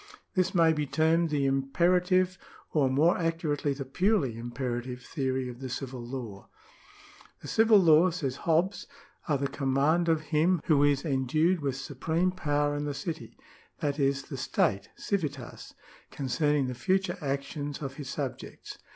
This may be termed the imperative or more accurately the purely imperative theory of the civil law. " The civil laws," says Hobbes,^^ " are the command of him, who is endued with supreme power in the city " (that is, the state, civitas) " concerning the future actions of his subjects."